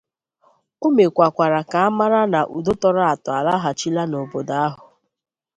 o mekwakwara ka a mara na udo tọrọ àtọ alaghachila n'obodo ahụ